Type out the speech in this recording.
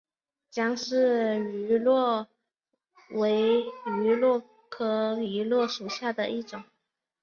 姜氏芋螺为芋螺科芋螺属下的一个种。